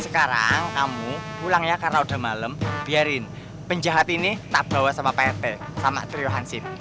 kakaknya dia pakai topeng deh